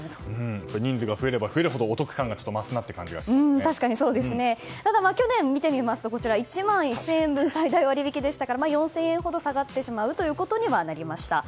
人数が増えれば増えるほどお得感が増すなというただ去年を見ると１万１０００円分最大割引でしたから４０００円ほど下がることになりました。